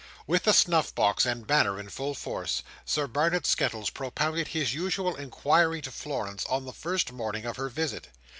With the snuff box and banner in full force, Sir Barnet Skettles propounded his usual inquiry to Florence on the first morning of her visit.